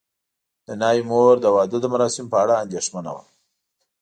د ناوې مور د واده د مراسمو په اړه اندېښمنه وه.